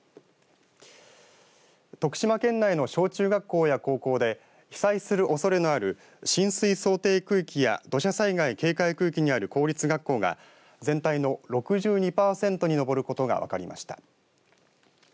徳島県内の小中学校や高校で被災するおそれのある浸水想定区域や土砂災害警戒区域にある公立学校が全体の６２パーセントに上ることが分かりました。